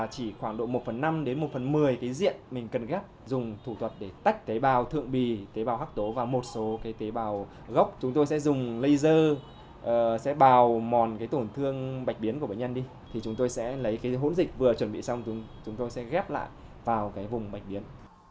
chúng tôi sẽ lấy hỗn dịch vừa chuẩn bị xong chúng tôi sẽ ghép lại vào vùng bệnh biến